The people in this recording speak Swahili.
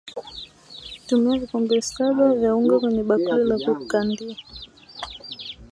Tumia vikombe saba vya unga kwenye bakuli la kukandia